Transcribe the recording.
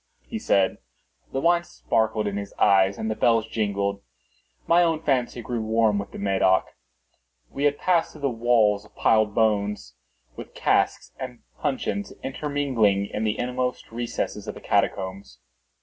he said. The wine sparkled in his eyes and the bells jingled. My own fancy grew warm with the Medoc. We had passed through walls of piled bones, with casks and puncheons intermingling, into the inmost recesses of the catacombs.